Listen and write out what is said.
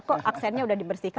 kok aksennya udah dibersihkan